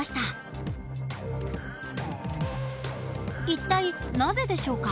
一体なぜでしょうか？